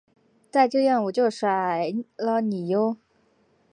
再这样我就甩了你唷！